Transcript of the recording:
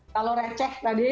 kalo receh tadi